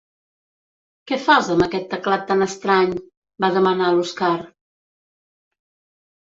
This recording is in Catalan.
Què fas amb aquest teclat tan estrany? —va demanar l'Oskar.